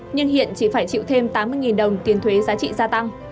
nhưng hiện chỉ phải chịu thêm tám mươi đồng tiền thuế giá trị gia tăng